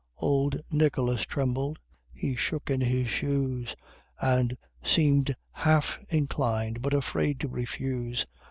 Old Nicholas trembled, he shook in his shoes, And seemed half inclined, but afraid, to refuse.